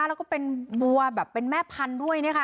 แล้วก็เป็นบัวแบบเป็นแม่พันธุ์ด้วยเนี่ยค่ะ